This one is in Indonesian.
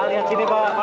nah lihat sini bawah pak